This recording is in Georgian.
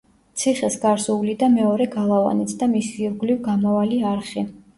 ციხეს გარს უვლიდა მეორე გალავანიც და მის ირგვლივ გამავალი არხი.